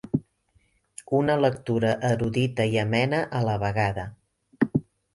Una lectura erudita i amena a la vegada.